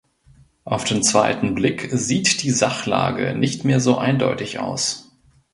Auf den zweiten Blick sieht die Sachlage nicht mehr so eindeutig aus.